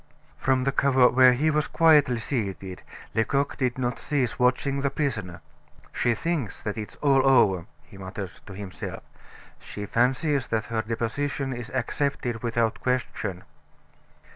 From the corner where he was quietly seated, Lecoq did not cease watching the prisoner. "She thinks that it's all over," he muttered to himself; "she fancies that her deposition is accepted without question."